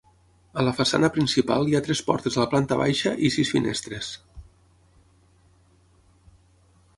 A la façana principal hi ha tres portes a la planta baixa i sis finestres.